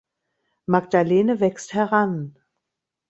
Magdalene wächst heran.